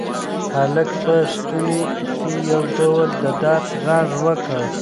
هلک په ستوني کې یو ډول د درد غږ وکړ.